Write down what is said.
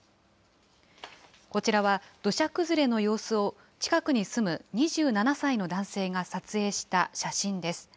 こちらは、土砂崩れの様子を近くに住む２７歳の男性が撮影した写真です。